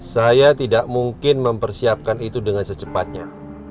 saya tidak mungkin mempersiapkan itu dengan secepatnya